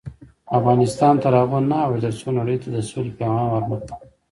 افغانستان تر هغو نه ابادیږي، ترڅو نړۍ ته د سولې پیغام ورنکړو.